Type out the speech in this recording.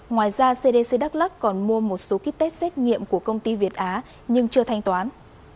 ngoài ra cdc đắk lắc còn mua một số ký test xét nghiệm của công ty việt á nhưng chưa thanh toán